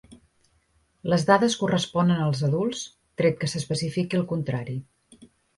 Les dades corresponen als adults, tret que s'especifiqui el contrari.